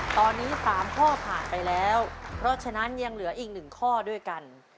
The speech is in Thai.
ตอนนี้๓ข้อผ่านไปแล้วเพราะฉะนั้นยังเหลืออีก๑ข้อด้วยกัน